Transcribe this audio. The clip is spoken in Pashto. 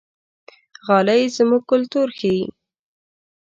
غالۍ زموږ کلتور ښيي.